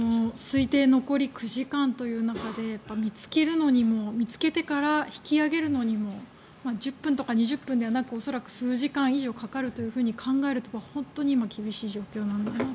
推定残り９時間という中で見つけるのにも見つけてから引き揚げるのにも１０分とか２０分ではなく恐らく数時間以上かかると考えると本当に今厳しい状況なんだなと。